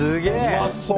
うまそう！